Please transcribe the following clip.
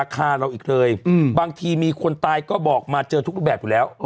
ก็บอกมาเจอทุกแบบอยู่แล้ว